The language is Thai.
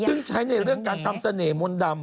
ซึ่งใช้ในเรื่องการทำเสน่หมนตำ